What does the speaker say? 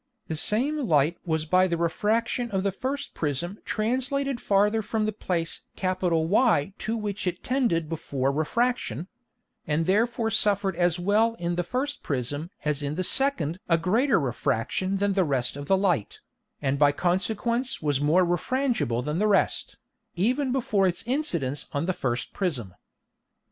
The same Light was by the Refraction of the first Prism translated farther from the place Y to which it tended before Refraction; and therefore suffered as well in the first Prism as in the second a greater Refraction than the rest of the Light, and by consequence was more refrangible than the rest, even before its incidence on the first Prism.